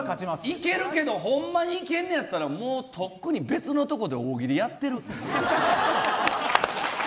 いけるけどほんまにいけるんやったらもうとっくに別のところで大喜利やってる。